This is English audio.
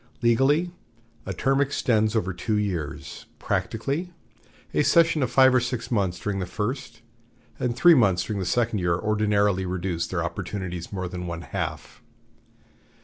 Legally, a term extends over two years; practically, a session of five or six months during the first, and three months during the second year ordinarily reduce their opportunities more than one half.